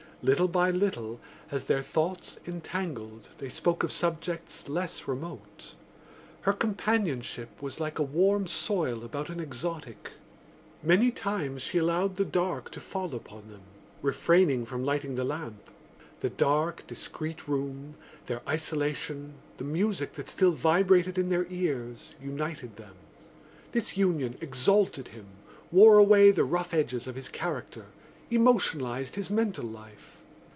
Little by little, as their thoughts entangled, they spoke of subjects less remote. Her companionship was like a warm soil about an exotic. Many times she allowed the dark to fall upon them, refraining from lighting the lamp. The dark discreet room, their isolation, the music that still vibrated in their ears united them. This union exalted him, wore away the rough edges of his character, emotionalised his mental life.